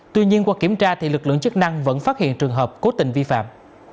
tuy nhiên qua kiểm tra lực lượng chức năng vẫn phát hiện trường hợp cố tình vi phạm